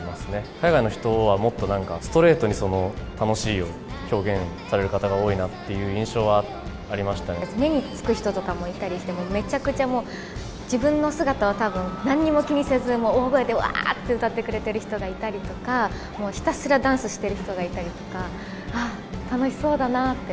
海外の人は、もっとなんか、ストレートにその楽しいを表現される方が多いなっていう印象はあ目に付く人とかもいたりして、めちゃくちゃ、自分の姿はたぶんなんにも気にせず、もう大声で、わーって歌ってくれてる人がいたりとか、ひたすらダンスしてる人がいたりとか、ああ、楽しそうだなって。